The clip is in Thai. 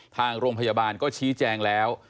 ทางโรงพยาบาลก็ชี้แจงแล้ว